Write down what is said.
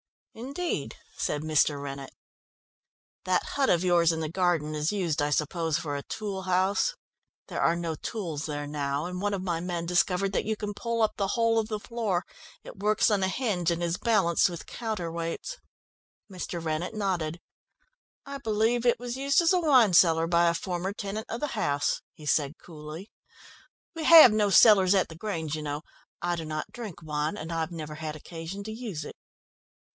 "Indeed!" said Mr. Rennett. "That hut of yours in the garden is used, I suppose, for a tool house. There are no tools there now, and one of my men discovered that you can pull up the whole of the floor, it works on a hinge and is balanced with counter weights." Mr. Rennett nodded. "I believe it was used as a wine cellar by a former tenant of the house," he said coolly. "We have no cellars at the Grange, you know. I do not drink wine, and I've never had occasion to use it."